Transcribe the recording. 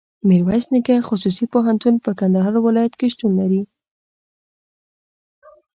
ميرویس نيکه خصوصي پوهنتون په کندهار ولایت کي شتون لري.